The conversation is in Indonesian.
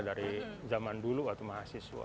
dari zaman dulu waktu mahasiswa